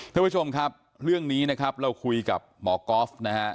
ท่านผู้ชมครับเรื่องนี้นะครับเราคุยกับหมอก๊อฟนะฮะ